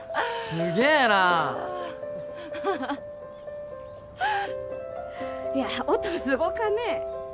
すげえないや音すごかね？